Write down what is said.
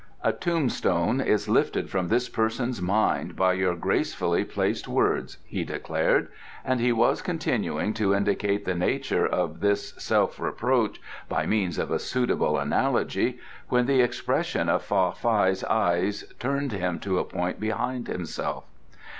"A tombstone is lifted from this person's mind by your gracefully placed words," he declared, and he was continuing to indicate the nature of his self reproach by means of a suitable analogy when the expression of Fa Fai's eyes turned him to a point behind himself.